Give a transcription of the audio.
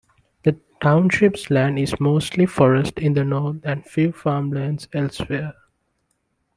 The township's land is mostly forest in the north and farmland elsewhere.